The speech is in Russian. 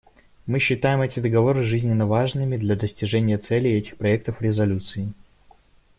Мы считаем эти договоры жизненно важными для достижения целей этих проектов резолюций.